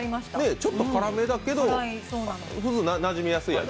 ちょっと辛めだけど、なじみやすい味。